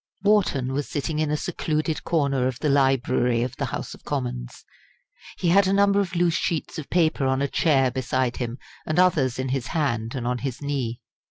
Wharton was sitting in a secluded corner of the library of the House of Commons. He had a number of loose sheets of paper on a chair beside him, and others in his hand and on his knee.